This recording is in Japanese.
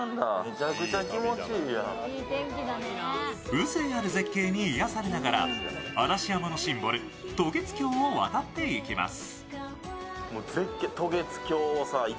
風情ある絶景に癒やされながら嵐山のシンボル、渡月橋を渡っていきます。